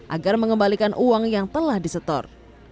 agar mengembalikan uang yang telah disetor